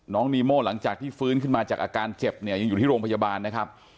นีโม่หลังจากที่ฟื้นขึ้นมาจากอาการเจ็บเนี่ยยังอยู่ที่โรงพยาบาลนะครับ